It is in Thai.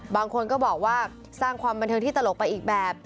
บางคนก็บอกว่าสร้างความบันเทิงที่ตลกไปอีกแบบ